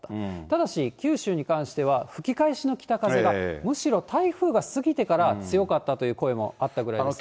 ただし九州に関しては、吹き返しの北風が、むしろ台風が過ぎてから強かったという声もあったぐらいです。